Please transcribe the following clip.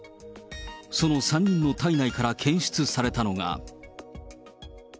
その３人の体内から検出されたのが。